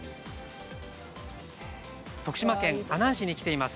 徳島県阿南市に来ています。